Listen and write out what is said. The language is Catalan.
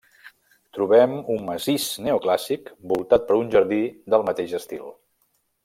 Trobem un massís neoclàssic voltat per un jardí del mateix estil.